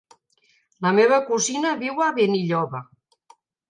La meva cosina viu a Benilloba.